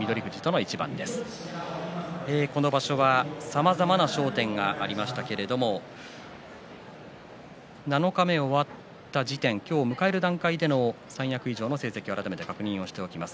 この場所は、さまざまな焦点がありましたけれども七日目終わった時点を迎える段階での三役以上の成績を改めて確認します。